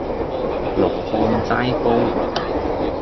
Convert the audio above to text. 羅漢齋煲